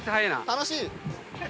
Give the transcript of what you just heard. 楽しい！